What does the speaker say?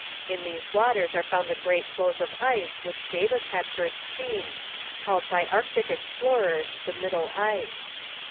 In these waters are found the great floes of ice which Davis had first seen, called by Arctic explorers the 'middle ice.'